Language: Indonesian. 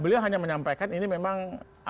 beliau hanya menyampaikan ini memang